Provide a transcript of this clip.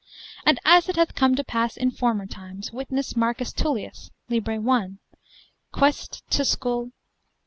And as it hath come to pass in former times, witness Marcus Tullius, lib. 1, Quaest. Tuscul.